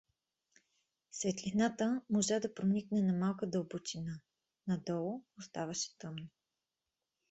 Светлината можа да проникне на малка дълбочина — надолу оставаше тъмно.